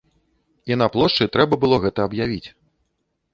І на плошчы трэба было гэта аб'явіць.